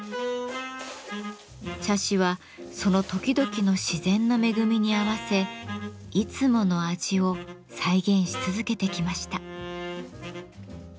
茶師はその時々の自然の恵みに合わせいつもの味を再現し続けてきました。